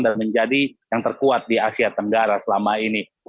dan menjadi yang terkuat di asia tenggara selama ini